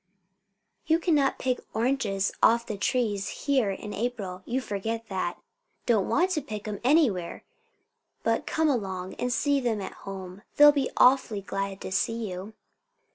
"You cannot pick oranges off the trees here in April. You forget that." "Don't want to pick 'em anywhere. But come along, and see them at home. They'll be awfully glad to see you."